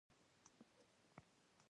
د مزار شریف آبي جومات د وطن د ښکلا نښه ده.